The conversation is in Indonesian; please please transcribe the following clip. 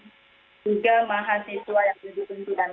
tiga mahasiswa yang berdiri di tiranang